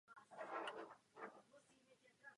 Narodil se v australském Sydney.